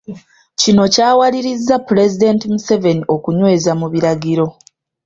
Kino kyawalirizza Pulezidenti Museveni okunyweza mu biragiro